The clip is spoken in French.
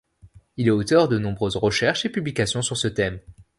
Il est auteur de nombreuses recherches et publications sur ce thème.